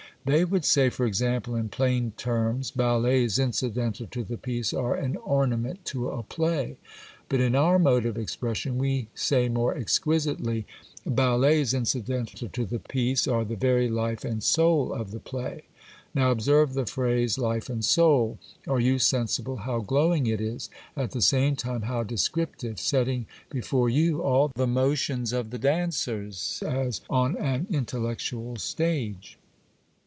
They would say, for example, in plain terms, "Ballets incidental to the piece are an orna ment to a play ;" but in our mode of expression, we say more exquisitely, " Ballets incidental to the piece are the very life and soul of the play." Now observe the phrase ; life and said. Are you sensible how glowing it is, at the same time how descriptive, setting before you all the motions of the dancers, as on an intellectual stage